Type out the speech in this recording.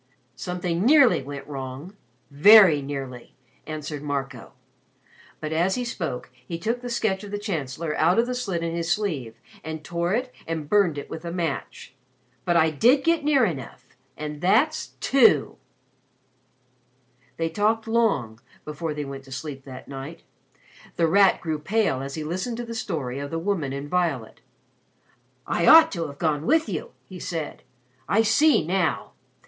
"Something nearly went wrong very nearly," answered Marco. But as he spoke he took the sketch of the Chancellor out of the slit in his sleeve and tore it and burned it with a match. "But I did get near enough. And that's two." They talked long, before they went to sleep that night. The Rat grew pale as he listened to the story of the woman in violet. "I ought to have gone with you!" he said. "I see now.